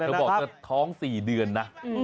เธอบอกจะท้อง๔เดือนนะ